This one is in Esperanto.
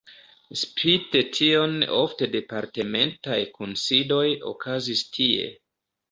Spite tion ofte departementaj kunsidoj okazis tie.